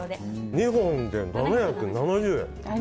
２本で７７０円。